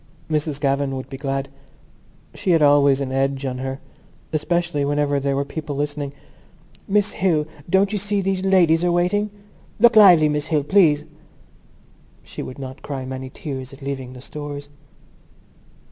Miss Gavan would be glad. She had always had an edge on her, especially whenever there were people listening. "Miss Hill, don't you see these ladies are waiting?" "Look lively, Miss Hill, please." She would not cry many tears at leaving the Stores.